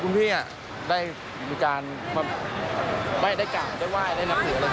คุณพี่อ่ะได้มีการไหว้ได้กากได้ไหว้ได้น้ำเหลืออะไรครับ